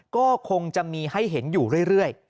ก็คงจะมีให้เห็นอยู่เรื่อย